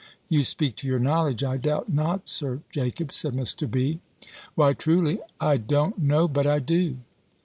"You speak to your knowledge, I doubt not, Sir Jacob?" said Mr. B. "Why, truly I don't know but I do."